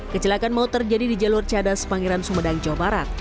kecelakan motor jadi di jalur cadas pangiran sumedang jawa barat